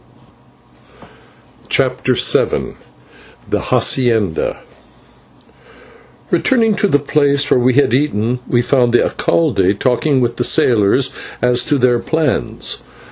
CHAPTER VII "THE HACIENDA" Returning to the place where we had eaten, we found the /alcalde/ talking with the sailors as to their plans.